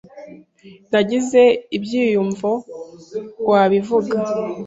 Nagize ibyiyumvo wabivuga.